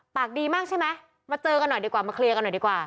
ปากดีมากใช่ไหมมาเจอกันหน่อยดีกว่ามาเคลียร์กันหน่อยดีกว่า